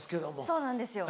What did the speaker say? そうなんですよ。